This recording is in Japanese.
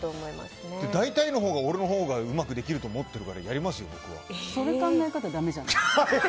大体のことが俺のほうがうまくできると思ってるからその考え方、だめじゃない？